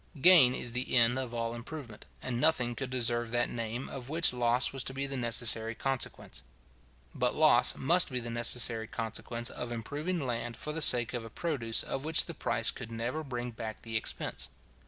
Gain is the end of all improvement; and nothing could deserve that name, of which loss was to be the necessary consequence. But loss must be the necessary consequence of improving land for the sake of a produce of which the price could never bring back the expense.